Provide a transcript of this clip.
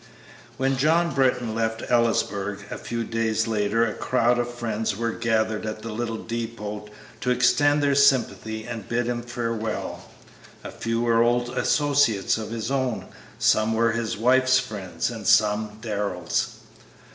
When John Britton left Ellisburg a few days later a crowd of friends were gathered at the little depot to extend their sympathy and bid him farewell. A few were old associates of his own, some were his wife's friends, and some Darrell's.